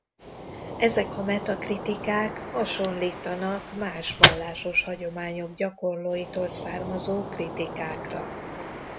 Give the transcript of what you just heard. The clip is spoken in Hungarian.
Ezek a meta-kritikák hasonlítanak más vallásos hagyományok gyakorlóitól származó kritikákra.